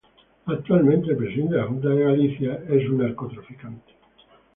Actualmente, el presidente de la Junta de Galicia es Alberto Núñez Feijóo.